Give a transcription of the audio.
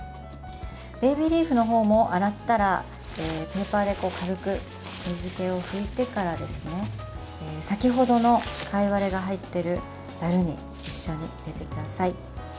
ベビーリーフのほうも洗ったらペーパーで軽く水けを拭いてから先程のカイワレが入っているざるに一緒に入れてください。